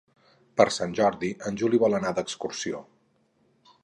Per Sant Jordi en Juli vol anar d'excursió.